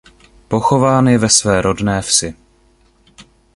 Pochován je ve své rodné vsi.